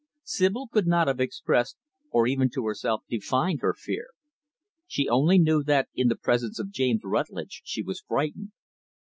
Sibyl could not have expressed, or even to herself defined, her fear. She only knew that in the presence of James Rutlidge she was frightened.